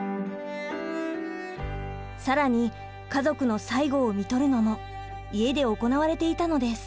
更に家族の最期をみとるのも家で行われていたのです。